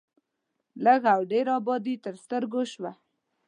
لږ او ډېره ابادي تر سترګو شوه.